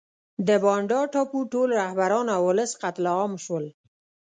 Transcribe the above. د بانډا ټاپو ټول رهبران او ولس قتل عام شول.